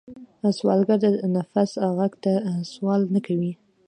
سوالګر د نفس غږ ته سوال نه کوي